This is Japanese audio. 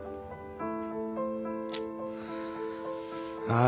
ああ。